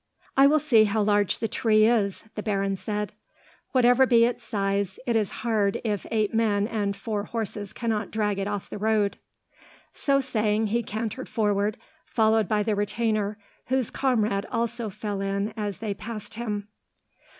"I will see how large the tree is," the baron said. "Whatever be its size, it is hard if eight men and four horses cannot drag it off the road." So saying, he cantered forward, followed by the retainer, whose comrade also fell in as they passed him.